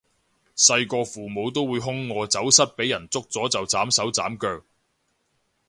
細個父母都會兇我走失畀人捉咗就斬手斬腳